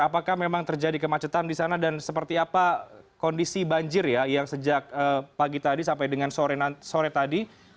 apakah memang terjadi kemacetan di sana dan seperti apa kondisi banjir ya yang sejak pagi tadi sampai dengan sore tadi